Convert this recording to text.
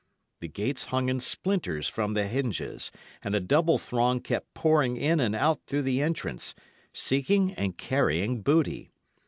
The gates hung in splinters from the hinges, and a double throng kept pouring in and out through the entrance, seeking and carrying booty.